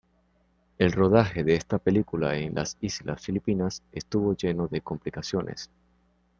El rodaje de esta película en las Islas Filipinas estuvo lleno de complicaciones.